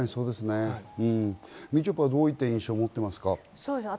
みちょぱはどういった印象を持ってますか？